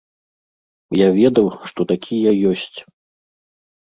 Я ведаў, што такія ёсць.